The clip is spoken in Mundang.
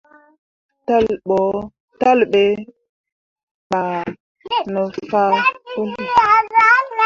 Talle ɓe bah ne fah puli.